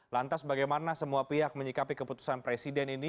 lantas bagaimana semua pihak menyikapi keputusan presiden ini